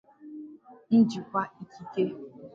Njikwa ikike